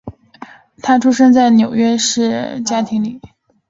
他出生在纽约市布鲁克林区的一个穆斯林非洲裔美国人的家庭里。